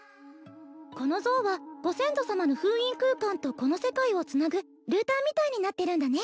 この像はご先祖様の封印空間とこの世界をつなぐルーターみたいになってるんだね